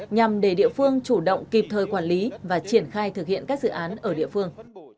nhằm để địa phương chủ động kịp thời quản lý và triển khai thực hiện các dự án ở địa phương